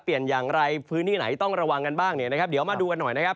เปลี่ยนอย่างไรพื้นที่ไหนต้องระวังกันบ้างเนี่ยนะครับเดี๋ยวมาดูกันหน่อยนะครับ